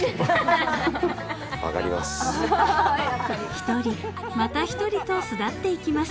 ［一人また一人と巣立っていきます］